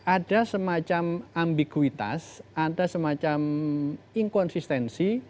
ada semacam ambiguitas ada semacam inkonsistensi